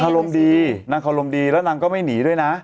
ขาลมดีนางขาลมดีแล้วนางก็ไม่หนีด้วยนะ